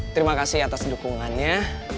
terima kasih atas dukungannya